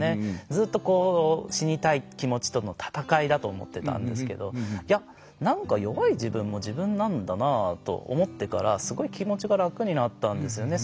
ずっと死にたい気持ちとの闘いだと思ってたんですけどなんか弱い自分も自分なんだなと思ってから、すごい気持ちが楽になったんですよね。